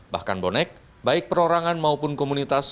bahkan bonek baik perorangan maupun komunitas